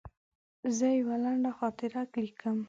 زه یوه لنډه خاطره لیکم.